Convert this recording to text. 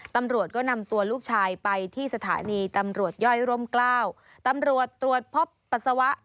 ตำรวจก็นำตัวลูกชายไปที่สถานีตำรวจย่อยร่มกล้าวตำรวจตรวจพบปัสสาวะ